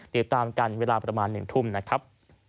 ติดตามกันเวลาประมาณ๑ทุ่มนะครับ